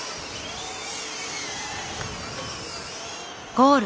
ゴール！